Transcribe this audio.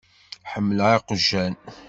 Ḥemmleɣ iqjan.